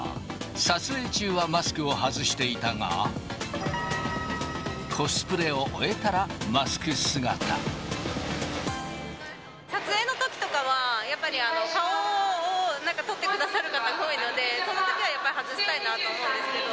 撮影中はマスクを外していたが、撮影のときとかは、やっぱり顔をなんか撮ってくださる方が多いので、そのときはやっぱり外したいなと思うんですけど。